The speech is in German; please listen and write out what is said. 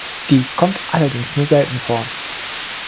Dies kommt allerdings nur selten vor.